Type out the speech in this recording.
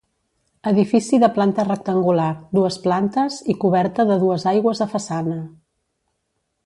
Edifici de planta rectangular, dues plantes i coberta de dues aigües a façana.